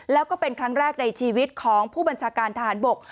แล้วก็เป็นครั้งแรกในชีวิตของผู้บัญชาการทหารบก